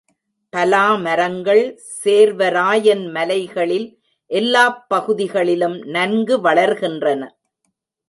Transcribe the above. பலா மரங்கள் சேர்வராயன் மலைகளில் எல்லாப் பகுதிகளிலும் நன்கு வளர்கின்றன.